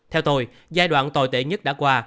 theo tôi giai đoạn tồi tệ nhất đã qua